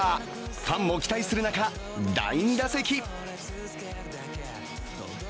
ファンも期待する中、第２打席。